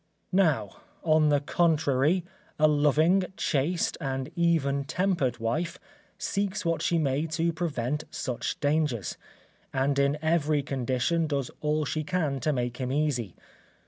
Now, on the contrary, a loving, chaste and even tempered wife, seeks what she may to prevent such dangers, and in every condition does all she can to make him easy.